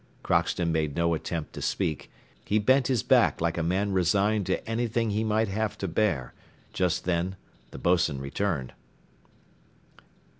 Crockston made no attempt to speak; he bent his back like a man resigned to anything he might have to bear; just then the boatswain returned.